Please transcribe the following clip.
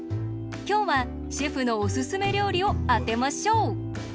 きょうはシェフのおすすめりょうりをあてましょう！